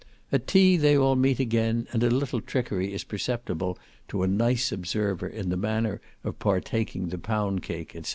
At tea they all meet again, and a little trickery is perceptible to a nice observer in the manner of partaking the pound cake, &c.